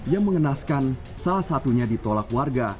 yang mengenaskan salah satunya ditolak warga